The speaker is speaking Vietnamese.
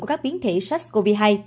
của các biến thể sars cov hai